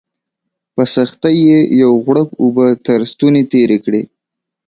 په سختۍ یې یو غوړپ اوبه تر ستوني تېري کړې